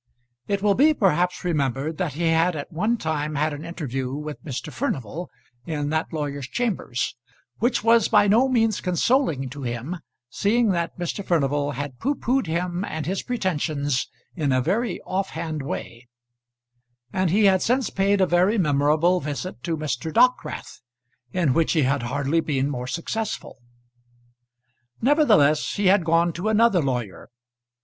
It will be perhaps remembered that he had at one time had an interview with Mr. Furnival in that lawyer's chambers, which was by no means consoling to him, seeing that Mr. Furnival had pooh poohed him and his pretensions in a very off hand way; and he had since paid a very memorable visit to Mr. Dockwrath in which he had hardly been more successful. Nevertheless, he had gone to another lawyer.